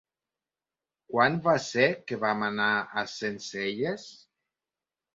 Quan va ser que vam anar a Sencelles?